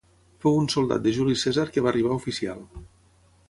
Fou un soldat de Juli Cèsar que va arribar a oficial.